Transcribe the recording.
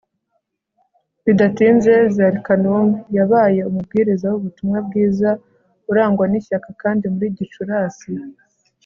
Bidatinze Zarkhanum yabaye umubwiriza w ubutumwa bwiza urangwa n ishyaka kandi muri Gicurasi